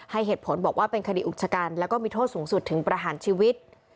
ให้เหตุผลบอกว่าเป็นคดีอุกชกันแล้วก็มีโทษสูงสุดถึงประหารชีวิต